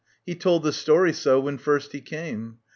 He told the story so When first he came.